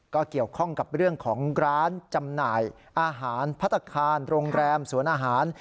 ก็เกี่ยวข้องกับเรื่องของร้านจำหน่ายอาหารพัฒนาคารโรงแรมสวนอาหาร